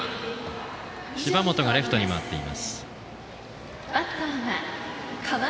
芝本がレフトに回っています。